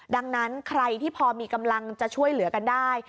ดังนั้นใครที่พอมีกำลังจะช่วยเหลือกันได้